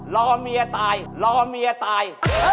รอเมียตายรอเมียตาย